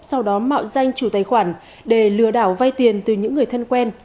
sau đó mạo danh chủ tài khoản để lừa đảo vay tiền từ những người thân quen